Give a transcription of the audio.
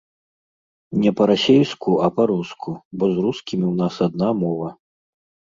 Не па-расейску, а па-руску, бо з рускімі ў нас адна мова.